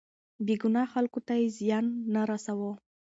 بې ګناه خلکو ته يې زيان نه رساوه.